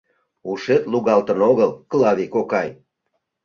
— Ушет лугалтын огыл, Клави кокай?